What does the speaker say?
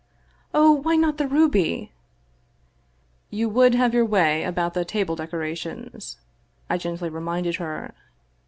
" Oh, why not the ruby ?'*" You would have your way about the table decorations," I gently reminded her.